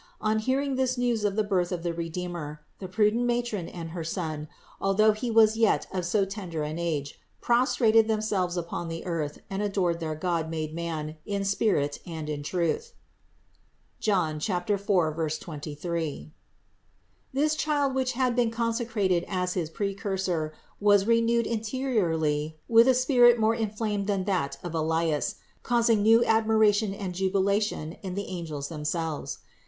On hearing this news of the birth of the Redeemer, the prudent matron and her son, al though he was yet of so tender an age, prostrated them selves upon the earth and adored their God made man in spirit and in truth (John 4, 23). The child which had been consecrated as his Precursor, was renewed interiorly with a spirit more inflamed than that of Elias, causing new admiration and jubilation in the angels themselves.